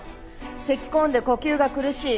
せき込んで呼吸が苦しい。